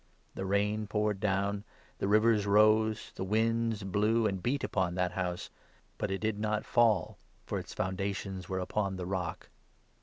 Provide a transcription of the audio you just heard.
The rain poured down, the rivers rose, the winds blew and beat upon that house, but It did not fall, for its foundations were upon the rock.